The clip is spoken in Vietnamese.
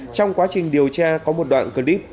trong quá trình điều tra có một đoạn clip